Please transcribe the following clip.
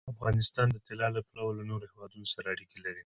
افغانستان د طلا له پلوه له نورو هېوادونو سره اړیکې لري.